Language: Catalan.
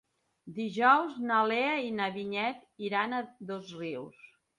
Dijous na Lea i na Vinyet iran a Dosrius.